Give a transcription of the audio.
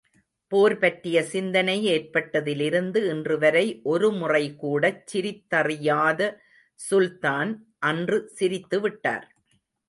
போர் பற்றிய சிந்தனை ஏற்பட்டதிலிருந்து இன்றுவரை ஒருமுறை கூடச் சிரித்தறியாத சுல்தான் அன்று சிரித்துவிட்டார்.